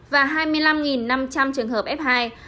và hai mươi năm năm trăm linh trường hợp f hai